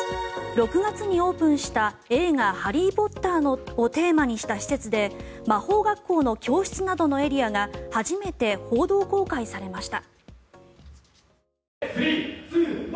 ６月にオープンした映画「ハリー・ポッター」をテーマにした施設で魔法学校の教室などのエリアが初めて報道公開されました。